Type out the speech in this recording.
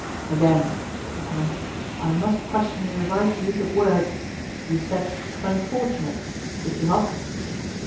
"Again," said the count, "I must question your right use of words. You said 'unfortunate,' did you not?"